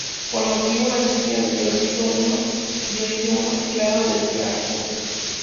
Pero motivó la ascensión de Dionisio I como tirano de Siracusa.